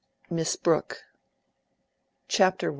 MISS BROOKE. CHAPTER I.